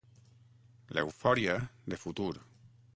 L'eufòria, de futur.